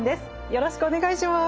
よろしくお願いします。